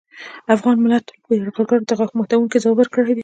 افغان ملت تل یرغلګرو ته غاښ ماتوونکی ځواب ورکړی دی